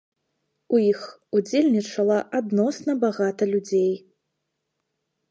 У іх удзельнічала адносна багата людзей.